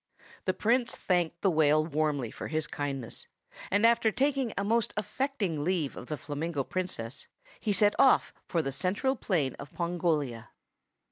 The Prince thanked the whale warmly for his kindness, and after taking a most affecting leave of the Flamingo Princess, he set off for the central plain of Pongolia.